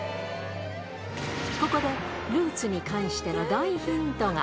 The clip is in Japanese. ここでルーツに関しての大ヒントが。